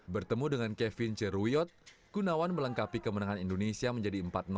bertemu dengan kevin ceruyot gunawan melengkapi kemenangan indonesia menjadi empat